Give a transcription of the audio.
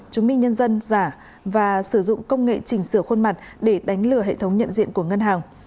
chứng minh nhân dân giả và sử dụng công nghệ chỉnh sửa khuôn mặt để đánh lừa hệ thống nhận diện của ngân hàng